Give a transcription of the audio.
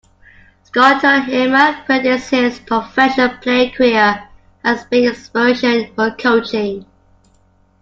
Schottenheimer credits his professional playing career as being his inspiration for coaching.